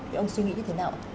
vậy ông suy nghĩ như thế nào